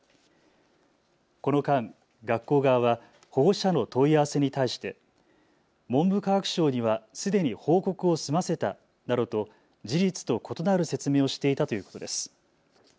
この間、学校側は保護者の問い合わせに対して文部科学省にはすでに報告を済ませたなどと事実と異なる説明をしていたということです。